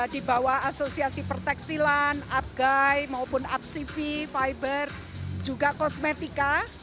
dibawah asosiasi per tekstilan upguy maupun upcv fiber juga kosmetika